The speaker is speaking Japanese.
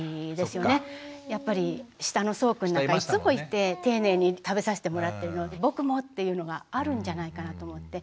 やっぱり下のそうくんなんかいつもいて丁寧に食べさせてもらってるので僕も！っていうのがあるんじゃないかなと思って。